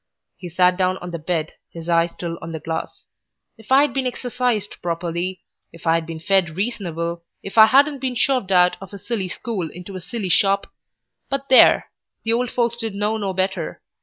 He sat down on the bed, his eye still on the glass. "If I'd been exercised properly, if I'd been fed reasonable, if I hadn't been shoved out of a silly school into a silly shop But there! the old folks didn't know no better.